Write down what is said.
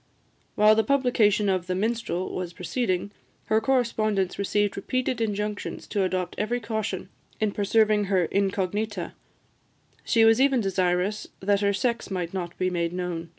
While the publication of the "Minstrel" was proceeding, her correspondents received repeated injunctions to adopt every caution in preserving her incognita; she was even desirous that her sex might not be made known.